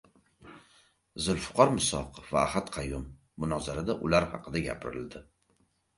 Zulfiqor Musoqov va Ahad Qayum. Munozarada ular haqida gapirildi